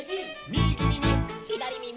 「みぎみみ」「ひだりみみ」